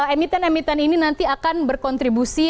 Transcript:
emiten emiten ini nanti akan berkontribusi